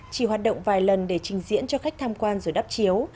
chỉ hoạt động vài lần để trình diễn cho khách tham quan rồi đắp chiếu